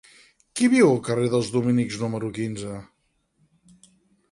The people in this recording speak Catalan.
Qui viu al carrer dels Dominics número quinze?